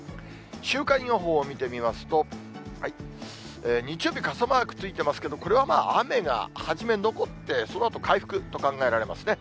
週間予報を見てみますと、日曜日、傘マークついてますけど、これはまあ、雨がはじめ残って、そのあと回復と考えられますね。